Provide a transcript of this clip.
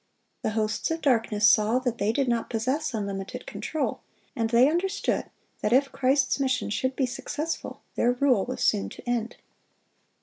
The hosts of darkness saw that they did not possess unlimited control, and they understood that if Christ's mission should be successful, their rule was soon to end.